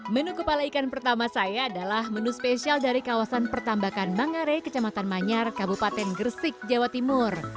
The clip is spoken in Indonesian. menu kepala ikan pertama saya adalah menu spesial dari kawasan pertambakan mangare kecamatan manyar kabupaten gresik jawa timur